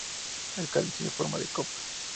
El cáliz tiene forma de copa.